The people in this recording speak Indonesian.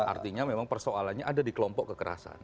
artinya memang persoalannya ada di kelompok kekerasan